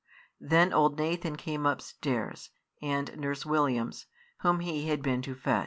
Then old Nathan came upstairs, and Nurse Williams, whom he had been to fetch.